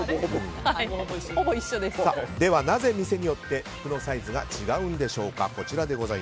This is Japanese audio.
では、なぜ店によって服のサイズが違うんでしょうか。